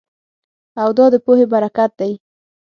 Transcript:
او دا د پوهې برکت دی